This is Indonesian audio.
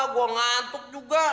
gue ngantuk juga